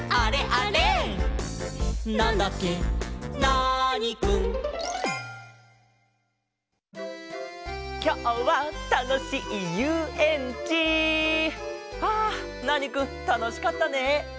あナーニくんたのしかったね！